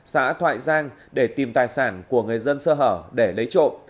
xã thoại giang để tìm tài sản của người dân sơ hở để lấy trộm